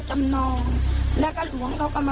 สวัสดีครับทุกคน